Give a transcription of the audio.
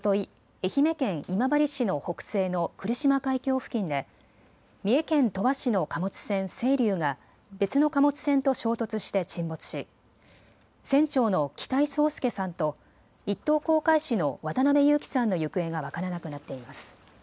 愛媛県今治市の北西の来島海峡付近で三重県鳥羽市の貨物船せいりゅうが別の貨物船と衝突して沈没し船長の北井宗祐さんと一等航海士の渡辺侑樹さんの行方が分からなくなっています。